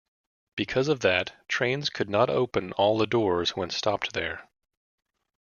Because of that, trains could not open all the doors when stopped there.